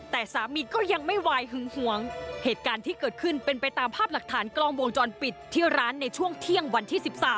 แต่สามีก็ยังไม่วายหึงหวงเหตุการณ์ที่เกิดขึ้นเป็นไปตามภาพหลักฐานกล้องวงจรปิดที่ร้านในช่วงเที่ยงวันที่๑๓